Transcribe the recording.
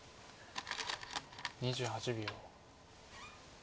２８秒。